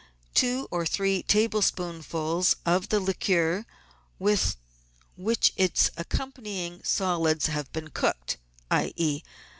Two or three tablespoonfuls of the liquor with which its accompanying solids have been cooked, i.e.